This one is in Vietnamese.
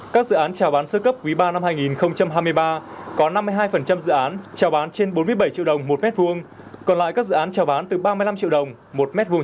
các dự án trào bán sơ cấp quý ba năm hai nghìn hai mươi ba có năm mươi hai dự án trào bán trên bốn mươi bảy triệu đồng một mét vuông